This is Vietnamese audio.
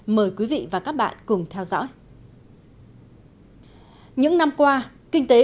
mời quý vị và các bạn cùng theo dõi